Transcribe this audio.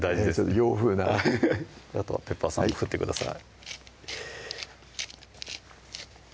洋風なあとはペッパーさん振ってください